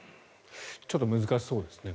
ちょっと難しそうですね。